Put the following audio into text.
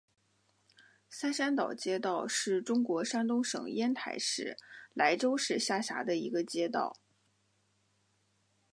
三山岛街道是中国山东省烟台市莱州市下辖的一个街道。